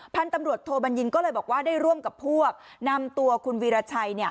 พันธุ์ตำรวจโทบัญญินก็เลยบอกว่าได้ร่วมกับพวกนำตัวคุณวีรชัยเนี่ย